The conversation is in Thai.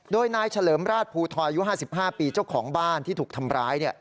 โดยนายเฉลิมราชภูทอยอายุ๕๕ปีเจ้าของบ้านที่ถูกทำร้าย